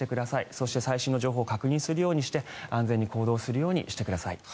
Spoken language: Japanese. そして、最新の情報を確認するようにして安全に行動するようにしてください。